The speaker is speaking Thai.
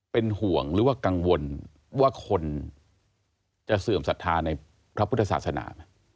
เป็นห่วงหรือว่ากังวลว่าคนจะเสื่อมศรัทธาในพระพุทธศาสนาไหม